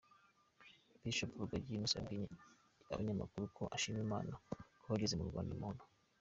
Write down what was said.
Bishop Rugagi Innocent yabwiye abanyamakuru ko ashima Imana kuba ageze mu Rwanda amahoro.